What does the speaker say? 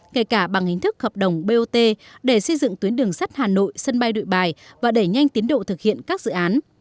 kể cả bằng hình thức hợp đồng bot để xây dựng tuyến đường sắt hà nội sân bay đội bài và đẩy nhanh tiến độ thực hiện các dự án